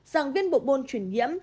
giảng viên bộ môn chuyển nhiễm